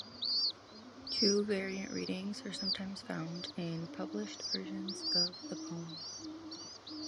Two variant readings are sometimes found in published versions of the poem.